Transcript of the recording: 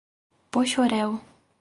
Poxoréu